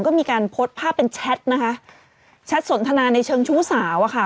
ก็มีการโพสต์ภาพเป็นแชทนะคะแชทสนทนาในเชิงชู้สาวอะค่ะ